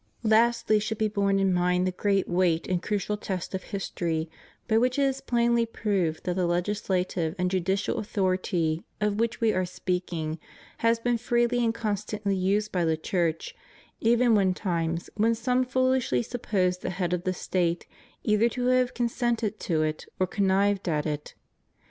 Lastly should be borne in mind the great weight and crucial test of history, by which it is plainly proved that the legislative and judicial authority of which We are speaking has been freely and constantly used by the Church, even in times when some foolishly suppose the head of the State either to have consented to it or con nived at it.